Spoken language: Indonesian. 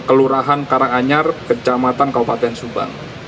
kelurahan karanganyar kecamatan kabupaten subang